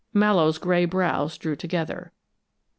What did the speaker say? Mallowe's gray brows drew together.